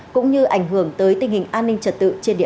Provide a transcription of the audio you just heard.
cũng như ảnh hưởng tới tình hình an ninh trật tế